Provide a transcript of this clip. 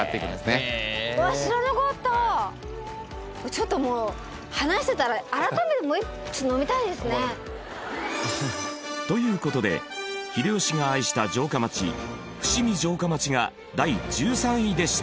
ちょっともう話してたら改めて飲みたいですね。という事で秀吉が愛した城下町伏見城下町が第１３位でした。